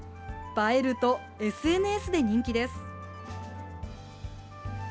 映えるとＳＮＳで人気です。